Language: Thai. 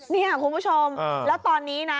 นี่คุณผู้ชมแล้วตอนนี้นะ